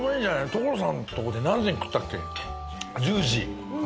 所さんのところで何時に食ったっけ１０時？